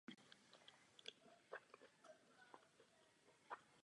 Stavba byla dokončena během jednoho roku.